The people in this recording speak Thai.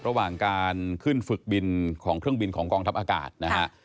ระหว่างการขึ้นฝึกบินของเครื่องบินของกองทัพอากาศนะฮะ